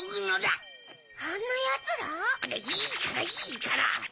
いいからいいから！